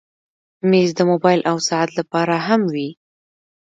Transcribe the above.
مېز د موبایل او ساعت لپاره هم وي.